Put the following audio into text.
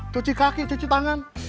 cuci kaki cuci tangan